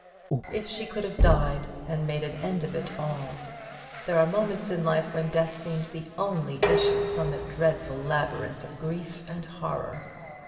If she could have died, and made an end of it all! There are moments in life when death seems the only issue from a dreadful labyrinth of grief and horror.